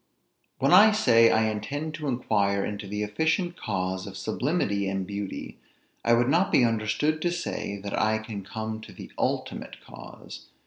When I say, I intend to inquire into the efficient cause of sublimity and beauty, I would not be understood to say, that I can come to the ultimate cause.